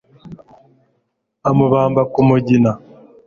amubamba ku mugina